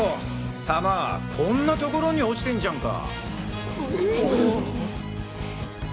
弾こんな所に落ちてんじゃんか！！